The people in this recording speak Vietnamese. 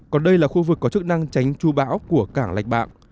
còn đây là khu vực có chức năng tránh chú bão của cảng lạch bạng